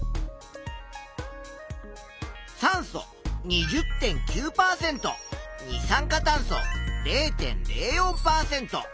酸素２０．９％二酸化炭素０．０４％。